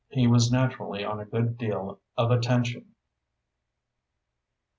He was naturally on a good deal of a tension.